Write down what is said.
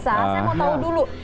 saya mau tahu dulu